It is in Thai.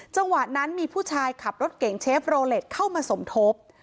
จังหวะนั้นมีผู้ชายขับรถเก่งเชฟโรเล็ตเข้ามาสมทบ